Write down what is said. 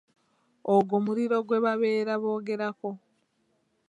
Ogwo muliro gwe babeera boogerako.